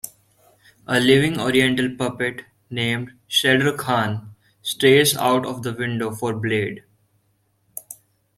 A living oriental puppet, named Shredder Khan, stares out of the window for Blade.